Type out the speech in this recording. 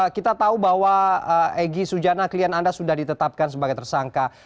kita tahu bahwa egy sujana klien anda sudah ditetapkan sebagai tersangka